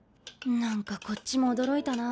何かこっちも驚いたな。